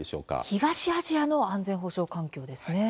東アジアの安全保障環境ですね。